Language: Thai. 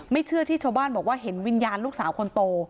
เชื่อที่ชาวบ้านบอกว่าเห็นวิญญาณลูกสาวคนโต